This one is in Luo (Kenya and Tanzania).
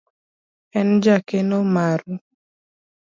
En jakeno maru.